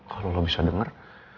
kalau lo bisa denger